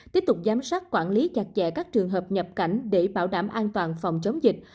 tiếp tục giám sát quản lý chặt chẽ các trường hợp nhập cảnh để bảo đảm an toàn phòng chống dịch